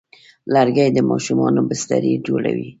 لرګی د ماشومانو بسترې جوړوي.